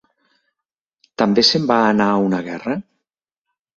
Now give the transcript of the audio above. També se'n va anar a una guerra?